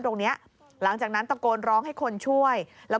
โดดลงรถหรือยังไงครับ